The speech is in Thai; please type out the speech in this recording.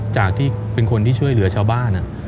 จากที่เป็นคนที่ช่วยเหลือชาวบ้าน